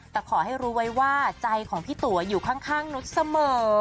แต่ขอให้รู้ไว้ว่าใจของพี่ตัวอยู่ข้างนุษย์เสมอ